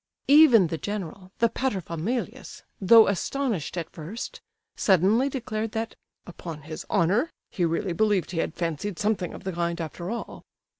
Even the general, the paterfamilias, though astonished at first, suddenly declared that, "upon his honour, he really believed he had fancied something of the kind, after all.